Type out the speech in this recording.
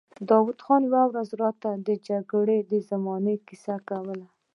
دوا خان یوه ورځ راته د جګړې د زمانې کیسه کوله.